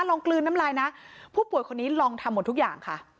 กลืนน้ำลายนะผู้ป่วยคนนี้ลองทำหมดทุกอย่างค่ะ